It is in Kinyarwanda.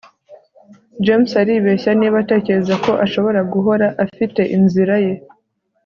james aribeshya niba atekereza ko ashobora guhora afite inzira ze